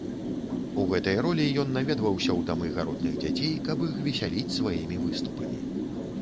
У гэтай ролі ён наведваўся ў дамы гаротных дзяцей, каб іх весяліць сваімі выступамі.